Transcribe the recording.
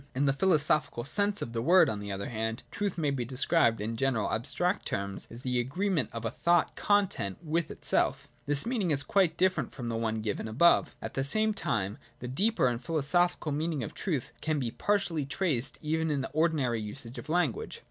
In the philosophical sense of the word, on the other hand, truth may be described, in general ab E 2 52 PRELIMINARY NOTION. [24. stract terms, as the agreement of a thought content with itself. This meaning is quite different from the one given above. At the same time the deeper and philosophical meaning of truth can be partially traced even in the ordinary usage of language.